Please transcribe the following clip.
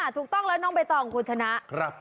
ถูกต้องแล้วน้องใบตองคุณชนะ